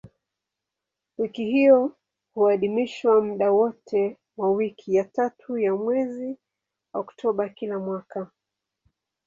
Wiki hiyo huadhimishwa muda wote wa wiki ya tatu ya mwezi Oktoba kila mwaka.